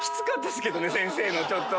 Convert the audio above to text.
先生のちょっと。